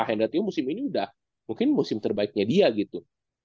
hendrati musim ini udah mungkin musim terbaiknya dia gitu